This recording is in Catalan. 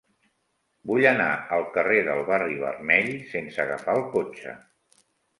Vull anar al carrer del Barri Vermell sense agafar el cotxe.